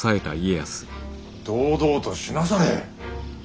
堂々としなされ。